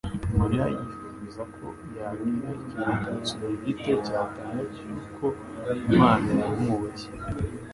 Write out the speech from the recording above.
Mariya yifuza ko yagira ikimenyetso na gito yatanga cy'uko Imana yamwubashye.